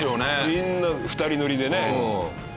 みんな２人乗りでね。